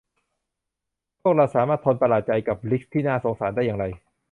พวกเราสามารถทนประหลาดใจกับริกซ์ที่น่าสงสารได้อย่างไร